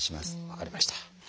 分かりました。